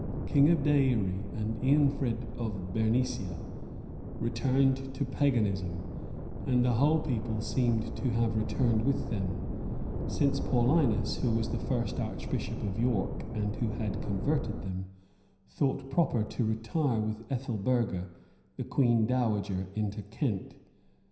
] Osric, king of Deïri and Eanfrid of Bernicia, returned to paganism; and the whole people seem to have returned with them; since Paullinus, who was the first archbishop of York; and who had converted them, thought proper to retire with Ethelburga, the queen dowager, into Kent.